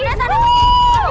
ada hantu anda tidak ada